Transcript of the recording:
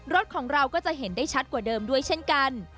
รถของเราก็จะเห็นได้ชัดกว่าเดิมด้วยเช่นกัน